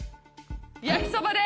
焼きそばで。